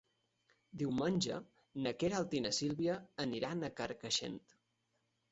Diumenge na Queralt i na Sibil·la iran a Carcaixent.